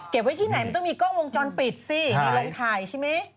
ไว้ที่ไหนมันต้องมีกล้องวงจรปิดสินี่ลงถ่ายใช่ไหม